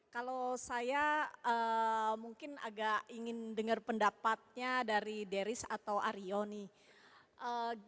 kalau saya mungkin agak ingin dengar pendapatnya dari deris atau aryo nih